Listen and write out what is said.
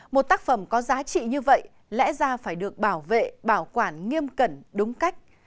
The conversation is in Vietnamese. một tác phẩm có giá trị như vậy lẽ ra phải được bảo vệ bảo quản nghiêm cẩn đúng cách